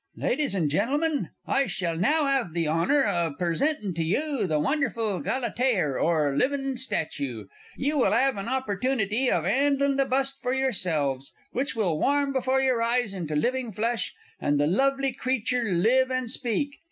Ladies and Gentlemen, I shell now 'ave the honour of persentin' to you the wonderful Galatear or Livin' Statue; you will 'ave an oppertoonity of 'andling the bust for yourselves, which will warm before your eyes into living flesh, and the lovely creecher live and speak.